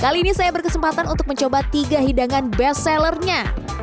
kali ini saya berkesempatan untuk mencoba tiga hidangan bestsellernya